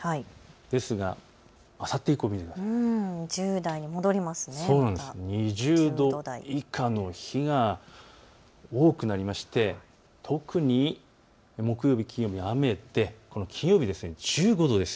ですが、あさって以降を見ると２０度以下の日が多くなりまして特に木曜日、金曜日、雨でこの金曜日、１５度です。